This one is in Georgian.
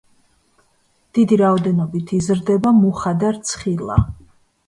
დიდი რაოდენობით იზრდება მუხა და რცხილა.